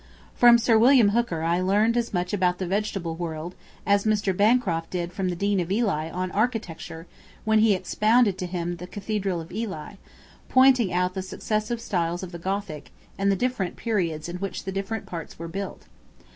From Sir William Hooker I learned as much about the vegetable world, as Mr. Bancroft did from the Dean of Ely on architecture, when he expounded to him the cathedral of Ely; pointing out the successive styles of the Gothic, and the different periods in which the different parts were built.